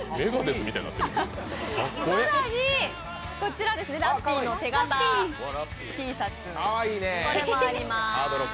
更にこちら、ラッピーの手型Ｔシャツもあります。